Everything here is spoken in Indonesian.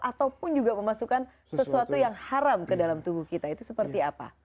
ataupun juga memasukkan sesuatu yang haram ke dalam tubuh kita itu seperti apa